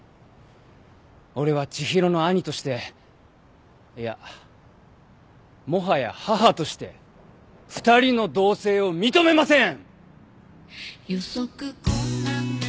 俺は知博の兄としていやもはや母として２人の同棲を認めません！